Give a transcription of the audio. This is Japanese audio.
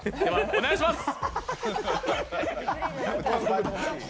お願いします！